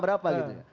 berapa gitu